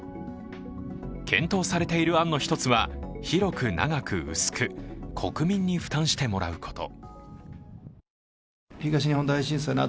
検討されている案の１つは、広く長く薄く国民に負担してもらうこと。